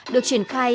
được chuyển khai